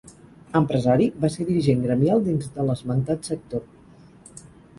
Empresari, va ser dirigent gremial dins de l'esmentat sector.